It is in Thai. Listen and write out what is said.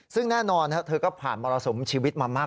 ซึ่งแน่นอนเธอก็ผ่านมรสุมชีวิตมามาก